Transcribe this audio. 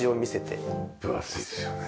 分厚いですよね。